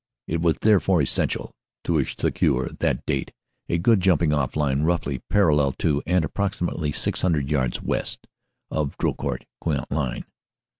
"It was therefore essential to secure, before that date, a good jumping off line roughly parallel to, and approximately 600 yards west of, the Drocourt Queant line.